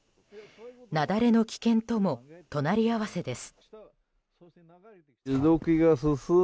雪崩の危険とも隣り合わせです。